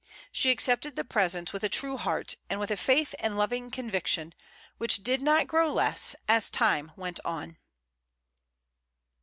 She accepted the present with a true heart, and with a faith and loving conviction, which did not grow less as time went on.